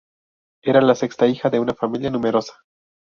Era la sexta hija de una familia numerosa.